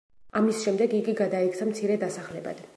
ამის შემდეგ იგი გადაიქცა მცირე დასახლებად.